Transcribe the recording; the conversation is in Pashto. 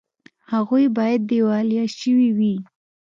هغوی باید دیوالیه شوي وي